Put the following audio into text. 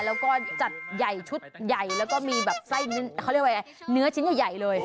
แล้วก็จัดใหญ่ชุดใหญ่แล้วก็มีแบบไส้เขาเรียกว่าเนื้อชิ้นใหญ่เลย